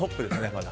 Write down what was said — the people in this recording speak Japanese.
まだ。